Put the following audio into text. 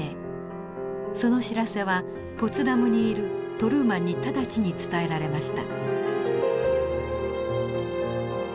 その知らせはポツダムにいるトルーマンに直ちに伝えられました。